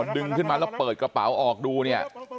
ดึงขึ้นมาแล้วเปิดกระเป๋าออกดูเนี่ย